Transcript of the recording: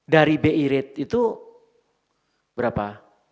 dari bi rate itu berapa